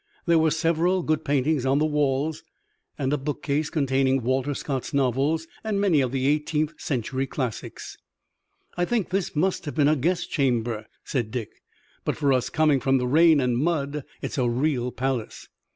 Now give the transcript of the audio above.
There were several good paintings on the walls and a bookcase contained Walter Scott's novels and many of the eighteenth century classics. "I think this must have been a guest chamber," said Dick, "but for us coming from the rain and mud it's a real palace."